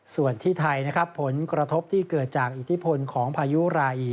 ส่วนที่ไทยนะครับผลกระทบที่เกิดจากอิทธิพลของพายุไรอี